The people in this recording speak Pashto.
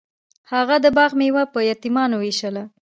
هغه د باغ میوه په یتیمانو ویشله.